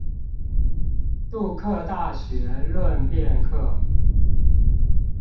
杜克大學論辯課